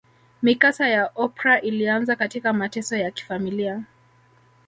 Mikasa ya Oprah ilianzia katika mateso ya kifamilia